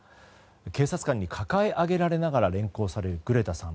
警察官に抱え上げられながら連行されるグレタさん。